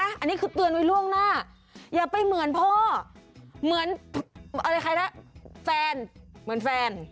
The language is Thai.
อันนี้คือเตือนไว้ล่วงหน้าอย่าไปเหมือนพ่อเหมือนอะไรใครนะแฟนเหมือนแฟน